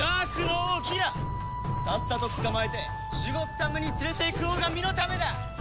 さっさと捕まえてシュゴッダムに連れて行くほうが身のためだ！